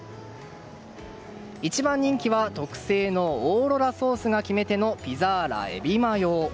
一番人気は特製のオーロラソースが決め手のピザーラエビマヨ。